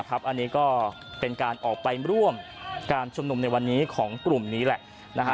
อันนี้ก็เป็นการออกไปร่วมการชุมนุมในวันนี้ของกลุ่มนี้แหละ